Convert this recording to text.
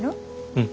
うん。